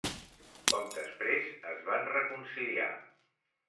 Poc després es van reconciliar.